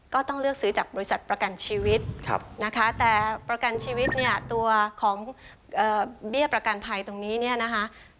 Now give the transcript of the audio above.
ก็ต้องเลือกซื้อจากบริษัทประกันชีวิตนะคะแต่ประกันชีวิตเนี่ยตัวของเบี้ยประกันภัยตรงนี้เนี่ยนะคะ